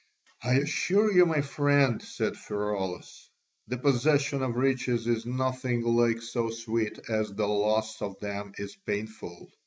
"I assure you, my friend," said Pheraulas, "the possession of riches is nothing like so sweet as the loss of them is painful.